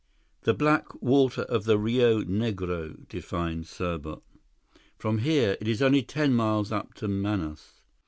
"The black water of the Rio Negro," defined Serbot. "From here it is only ten miles up to Manaus."